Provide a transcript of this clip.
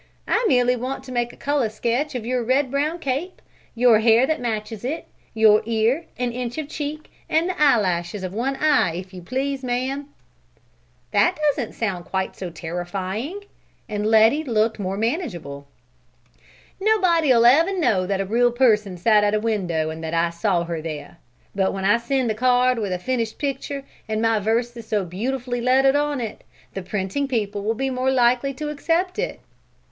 I merely want to make a color sketch of your red brown cape, your hair that matches it, your ear, an inch of cheek, and the eyelashes of one eye, if you please, ma'am." "That doesn't sound quite so terrifying." And Letty looked more manageable. "Nobody'll ever know that a real person sat at a real window and that I saw her there; but when I send the card with a finished picture, and my verses beautifully lettered on it, the printing people will be more likely to accept it."